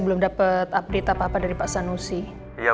udah main sana